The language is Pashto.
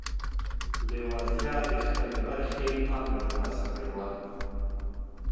لېوالتیا د خپلې برخې پانګه ترلاسه کړې وه.